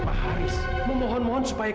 tapi sekarang apa